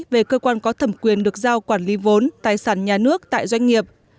về cơ quan có thẩm quyền được giao quản lý vốn tài sản nhà nước tại doanh nghiệp